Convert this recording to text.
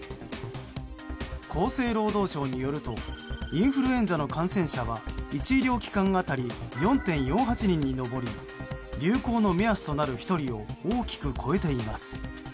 厚生労働省によるとインフルエンザの感染者は１医療機関当たり４．４８人に上り流行の目安となる１人を大きく超えています。